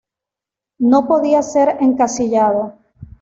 No podía ser encasillado.